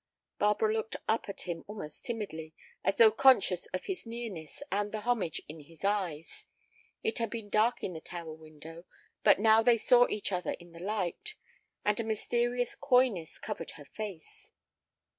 She looked up at him almost timidly, as though conscious of his nearness and the homage in his eyes. It had been dark at the tower window, but now they saw each other in the light, and a mysterious coyness covered her face.